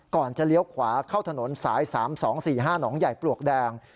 จะเลี้ยวขวาเข้าถนนสาย๓๒๔๕หนองใหญ่ปลวกแดง